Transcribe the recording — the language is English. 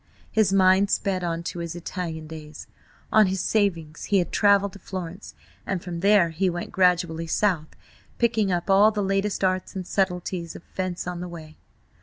His mind sped on to his Italian days. On his savings he had travelled to Florence, and from there he went gradually south, picking up all the latest arts and subtleties of fence on the way.